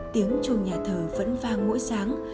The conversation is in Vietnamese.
tiếng trùng nhà thờ vẫn vang mỗi sáng